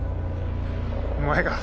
お前が！